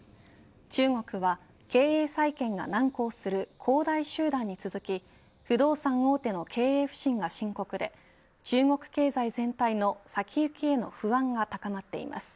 中国は経営再建が難航する恒大集団に続き不動産大手の経営不振が深刻で中国経済全体の先行きへの不安が高まっています。